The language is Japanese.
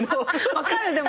分かるでも。